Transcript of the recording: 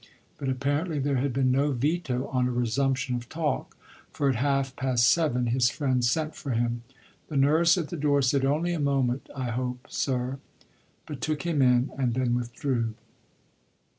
But apparently there had been no veto on a resumption of talk, for at half past seven his friend sent for him. The nurse at the door said, "Only a moment, I hope, sir?" but took him in and then withdrew.